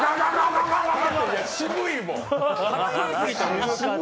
渋いもん。